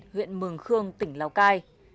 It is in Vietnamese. huyện mường khương tỉnh lào cai